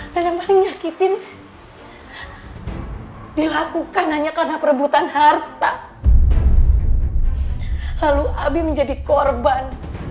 dan yang paling nyakitin dilakukan hanya karena perebutan harta lalu abi menjadi korban